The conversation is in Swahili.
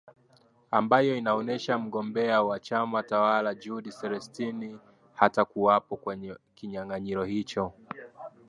ambao inaonesha mgombea wa chama tawala jude selestine hatakuwapo kwenye kinyanganyiro hicho